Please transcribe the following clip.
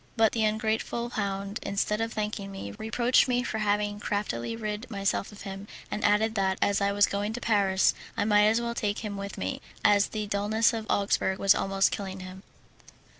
But the ungrateful hound, instead of thanking me, reproached me for having craftily rid myself of him, and added that, as I was going to Paris, I might as well take him with me, as the dullness of Augsburg was almost killing him.